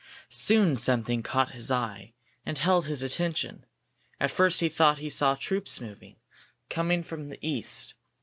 Soon something caught his eye and held his attention. At first he thought he saw troops moving, coming from the east.